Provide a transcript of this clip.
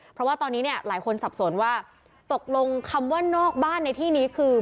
เพราะว่าตอนนี้เนี่ยหลายคนสับสนว่าตกลงคำว่านอกบ้านในที่นี้คือ